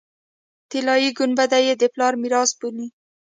طلایي ګنبده یې د پلار میراث بولي.